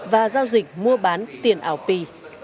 và giao dịch mua bán tiền ảo pi